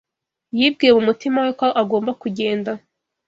Yibwiye mu mutima we ko agomba kugenda.